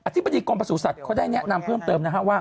อธิบดิกรมประสูจน์สัตว์เข้าได้แนะนำเพิ่มเติม